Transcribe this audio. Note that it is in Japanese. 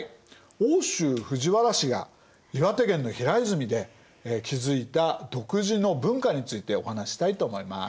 奥州藤原氏が岩手県の平泉で築いた独自の文化についてお話ししたいと思います。